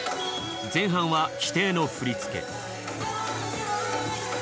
前半は規定の振り付け。